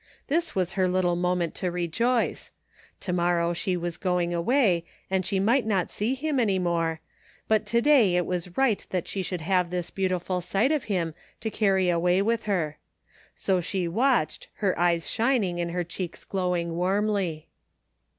This was her little moment to rejoice. To morrow she was going away, and she might not see him any more, but to day it was right that she should have this beautiful sight of him to carry away with hen So she watched, her eyes shining and her cheeks glowing warmly.